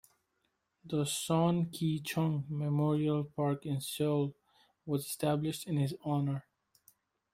The Sohn Kee-chung Memorial Park in Seoul was established in his honor.